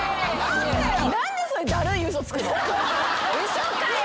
嘘かよ！